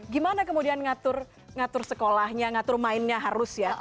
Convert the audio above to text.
gimana kemudian ngatur sekolahnya ngatur mainnya harus ya